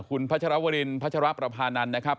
คุณพัชรวรินพัชรประพานันทร์นะครับ